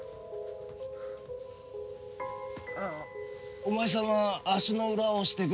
お前さんは足の裏を押してくれ。